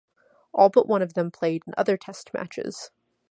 All but one of them played in other Test matches.